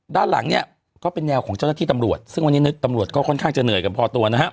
ด้านหลังเนี่ยก็เป็นแนวของเจ้าหน้าที่ตำรวจซึ่งวันนี้ตำรวจก็ค่อนข้างจะเหนื่อยกันพอตัวนะฮะ